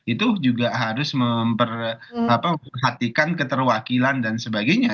itu juga harus memperhatikan keterwakilan dan sebagainya